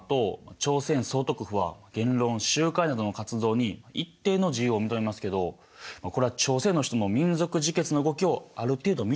朝鮮総督府は言論集会などの活動に一定の自由を認めますけどこれは朝鮮の人の民族自決の動きをある程度認めたってことなんでしょうか？